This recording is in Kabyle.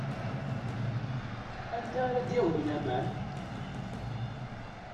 Anta ara d-yagmen aman?